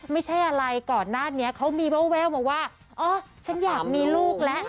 ไม่ใช่อะไรก่อนหน้านี้เขามีแววมาว่าเออฉันอยากมีลูกแล้ว